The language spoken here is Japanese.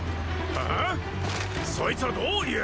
はァ⁉そいつはどういう。